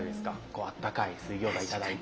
こうあったかい水餃子頂いて。